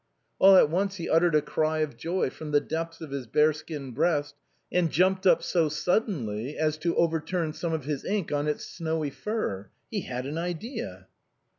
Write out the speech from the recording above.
'* All at once he uttered a cry of joy from the depths of his bear skin breast, and jumped up so suddenly as to over turn some of his ink on its snowy fur. He had an idea